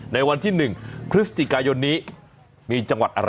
ในวันที่๑พฤศจิกายนนี้มีจังหวัดอะไร